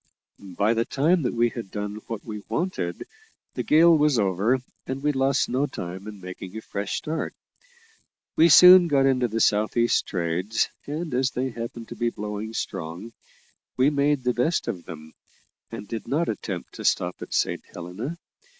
By the time that we had done what we wanted, the gale was over, and we lost no time in making a fresh start. We soon got into the south east trades, and, as they happened to be blowing strong, we made the best of them, and did not attempt to stop at Saint Helena.